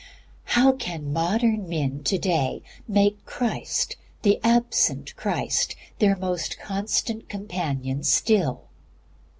How can modern men to day make Christ, the absent Christ, their most constant companion still?